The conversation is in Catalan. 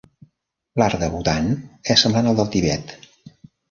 L'art de Buthan és semblant al del Tibet.